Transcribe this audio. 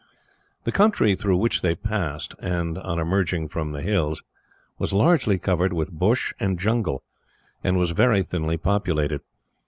The country through which they passed, on emerging from the hills, was largely covered with bush and jungle, and was very thinly populated.